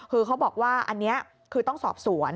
คือเขาบอกว่าอันนี้คือต้องสอบสวน